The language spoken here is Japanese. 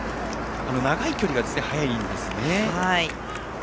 長い距離が速いんですね。